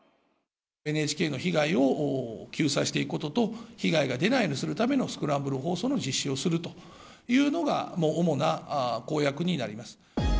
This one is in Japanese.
ＮＨＫの被害を救済していくことと、被害が出ないようにするためのスクランブル放送の実施をするというのが主な公約になります。